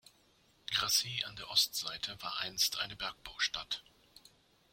Grassy an der Ostseite war einst eine Bergbaustadt.